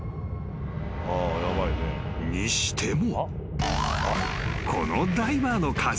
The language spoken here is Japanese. ［にしても］